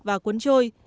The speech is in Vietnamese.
và cuốn trôi